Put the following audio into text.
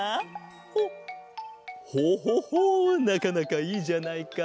ほうほほほうなかなかいいじゃないか。